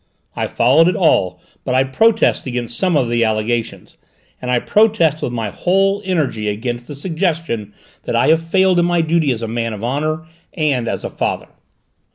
"I followed it all, but I protest against some of the allegations, and I protest with my whole energy against the suggestion that I have failed in my duty as a man of honour and as a father!"